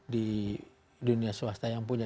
di dunia swasta yang punya